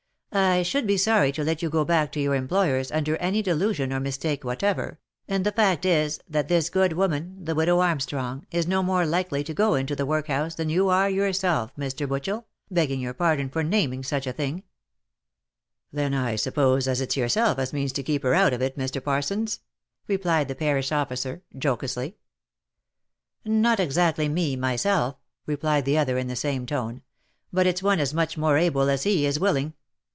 " I should be sorry to let you go back to your employers under any delusion or mistake whatever, and the fact is, that this good woman, the widow Armstrong, is no more likely to go into the workhouse than you are yourself, Mr. Butchel ; begging your pardon for naming such a thing." OF MICHAEL ARMSTRONG. 43 " Then I suppose as it's yourself as means to keep her out of it, Mr. Parsons?" replied the parish officer jocosely. " Not exactly me, myself," replied the other in the same tone, " but it's one as much more able as he is willing.